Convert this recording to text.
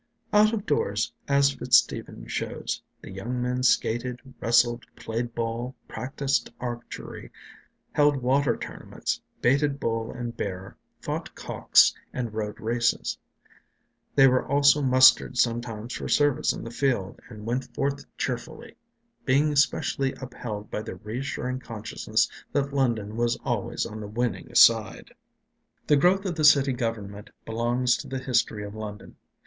Out of doors, as Fitz Stephen shows, the young men skated, wrestled, played ball, practiced archery, held water tournaments, baited bull and bear, fought cocks, and rode races. They were also mustered sometimes for service in the field, and went forth cheerfully, being specially upheld by the reassuring consciousness that London was always on the winning side. The growth of the city government belongs to the history of London.